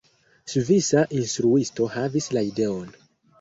Svisa instruisto havis la ideon.